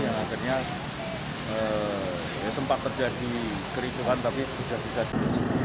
yang akhirnya sempat terjadi kericuan tapi sudah sudah terjadi